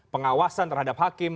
pengawasan terhadap hakim